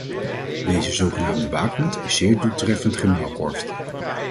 Deze zogenaamde waakhond is zeer doeltreffend gemuilkorfd.